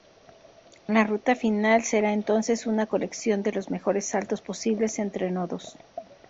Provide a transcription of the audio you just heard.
La ruta final será entonces una colección de los mejores saltos posibles entre nodos.